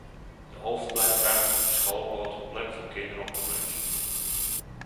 De overblijfruimte op school bood een plek voor kinderen om te lunchen.